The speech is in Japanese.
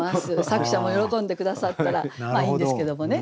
作者も喜んで下さったらいいんですけどもね。